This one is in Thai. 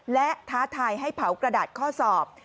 และท้าทายให้เผากระดาษข้อสอบ